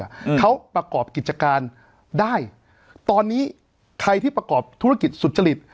อืมเขาประกอบกิจการได้ตอนนี้ใครที่ประกอบธุรกิจสุจริต